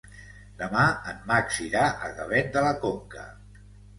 Demà en Max irà a Gavet de la Conca.